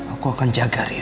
aku akan jaga riri